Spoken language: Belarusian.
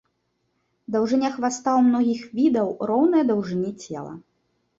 Даўжыня хваста ў многіх відаў роўная даўжыні цела.